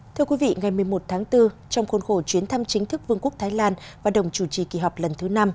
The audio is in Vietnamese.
thưa quý vị ngày một mươi một tháng bốn trong khuôn khổ chuyến thăm chính thức vương quốc thái lan và đồng chủ trì kỳ họp lần thứ năm